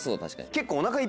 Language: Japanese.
結構。